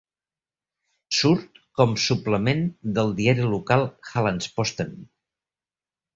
Surt com suplement del diari local Hallandsposten.